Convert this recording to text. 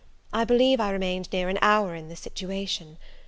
I believe I remained near an hour in this situation.